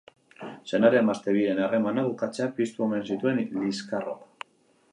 Senar-emazte biren harremana bukatzeak piztu omen zituen liskarrok.